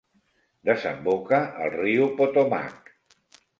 Desemboca al riu Potomac.